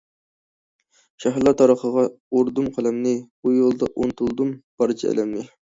شاھلار تارىخىغا ئۇردۇم قەلەمنى، بۇ يولدا ئۇنتۇلدۇم بارچە ئەلەمنى.